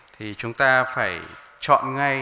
thì chúng ta phải chọn ngay